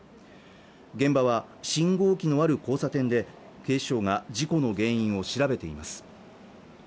現場は信号機のある交差点で警視庁が事故の原因を調べています